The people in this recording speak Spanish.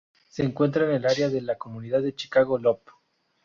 Se encuentra en el área de la comunidad de Chicago Loop.